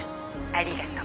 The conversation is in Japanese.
ありがと。